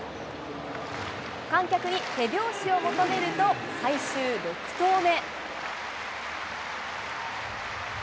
観客に手拍子を求めると、最終６投目。